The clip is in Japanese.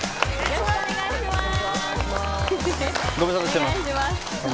よろしくお願いします。